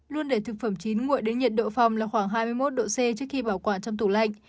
luôn để thực phẩm chín nguội đến nhiệt độ phòng là khoảng hai mươi một độ c trước khi bảo quản trong tủ lạnh